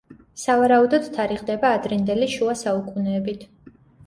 სავარაუდოდ, თარიღდება ადრინდელი შუა საუკუნეებით.